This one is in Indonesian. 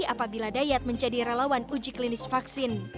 apabila dayat menjadi relawan uji klinis vaksin